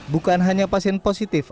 bukan hanya pasien positif